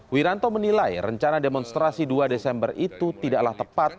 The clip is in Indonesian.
wiranto menilai rencana demonstrasi dua desember itu tidaklah tepat